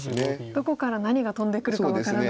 どこから何が飛んでくるか分からない。